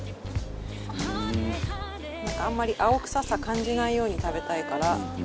なんか、あんまり、青臭さ感じないように食べたいから。